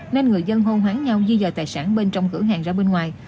nên người dân hôn hóa nhau di dời tài sản bên trong cửa hàng ra bên ngoài